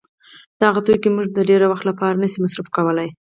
دغه توکي موږ د ډېر وخت له پاره نه سي مصروف کولای.